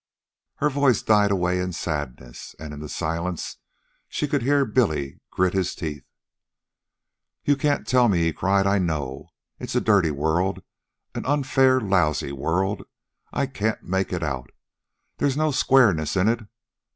Her voice died away in sadness, and in the silence she could hear Billy grit his teeth. "You can't tell me," he cried. "I know. It's a dirty world an unfair, lousy world. I can't make it out. They's no squareness in it.